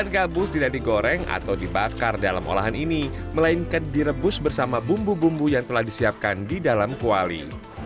agar gabus tidak digoreng atau dibakar dalam olahan ini melainkan direbus bersama bumbu bumbu yang telah disiapkan di dalam kuali